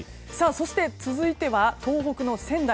そして、続いては東北の仙台。